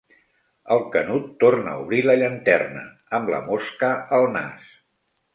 El Canut torna a obrir la llanterna, amb la mosca al nas.